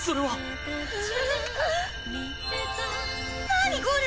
何これ？